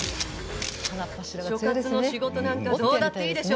所轄の仕事なんかどうだっていいでしょ！